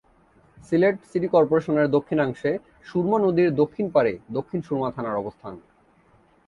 Sylhet city কর্পোরেশনের দক্ষিণাংশে সুরমা নদীর দক্ষিণ পাড়ে দক্ষিণ সুরমা থানার অবস্থান।